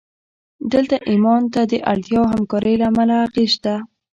دلته ایمان ته د اړتیا او همکارۍ له امله اغېز شته